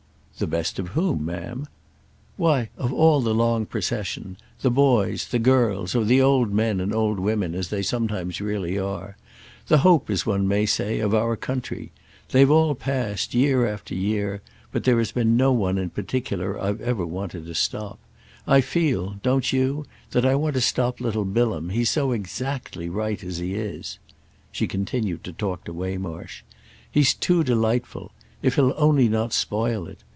"The best of whom, ma'am?" "Why of all the long procession—the boys, the girls, or the old men and old women as they sometimes really are; the hope, as one may say, of our country. They've all passed, year after year; but there has been no one in particular I've ever wanted to stop. I feel—don't you?—that I want to stop little Bilham; he's so exactly right as he is." She continued to talk to Waymarsh. "He's too delightful. If he'll only not spoil it!